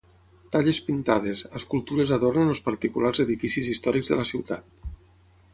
Talles pintades, escultures adornen els particulars edificis històrics de la ciutat.